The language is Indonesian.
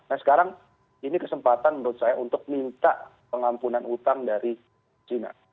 nah sekarang ini kesempatan menurut saya untuk minta pengampunan utang dari china